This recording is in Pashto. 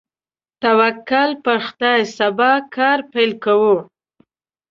توکل په خدای، سبا کار پیل کوو.